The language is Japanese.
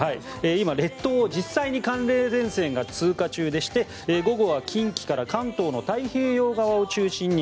今、列島を実際に寒冷前線が通過中でして午後は近畿から関東の太平洋側を中心に